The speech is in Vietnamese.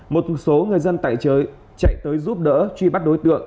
một số người dân tại chợ chạy tới giúp đỡ truy bắt đối tượng